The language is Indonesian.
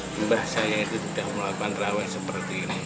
jumlah saya itu sudah melakukan tarawih seperti ini